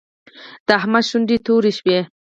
د احمد شونډې تورې شوې.